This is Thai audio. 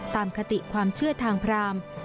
คติความเชื่อทางพราม